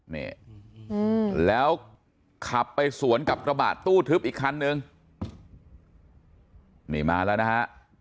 นี่แล้วขับไปสวนกับกระบะตู้ทึบอีกคันนึงนี่มาแล้วนะฮะ